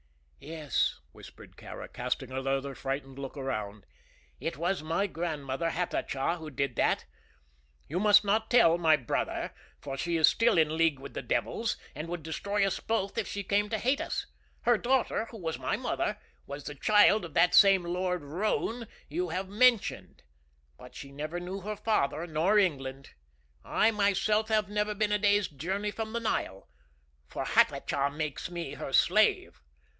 "Yes," whispered Kāra, casting another frightened look around; "it was my grandmother, Hatatcha, who did that. You must not tell, my brother, for she is still in league with the devils and would destroy us both if she came to hate us. Her daughter, who was my mother, was the child of that same Lord Roane you have mentioned; but she never knew her father nor England. I myself have never been a day's journey from the Nile, for Hatatcha makes me her slave."